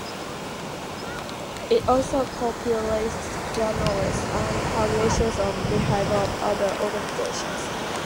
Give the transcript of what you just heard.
It also co-publishes journals and publishes on behalf of other organisations.